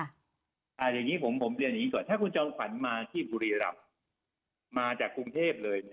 อย่างนี้ผมเรียนอย่างนี้ก่อนถ้าคุณจอมฝันมาที่บุรีรำมาจากกรุงเทพเลย